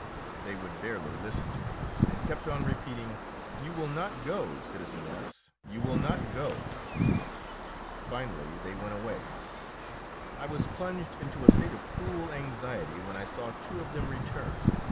They would barely listen to me, and kept on repeating, "You will not go, citizeness; you will not go!" Finally they went away. I was plunged into a state of cruel anxiety when I saw two of them return.